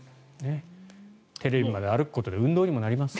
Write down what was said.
テレビまで歩くことで運動にもなります。